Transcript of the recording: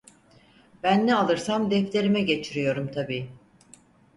Ben ne alırsam defterime geçiriyorum tabii.